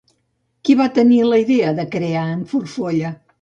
Qui va tenir la idea de crear en Farfolla?